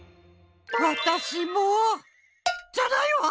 わたしもじゃないわ！